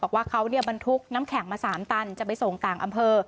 บอกว่าเขาบรรทุกน้ำแข็งมา๓ตันจะไปส่งต่างอำเภอ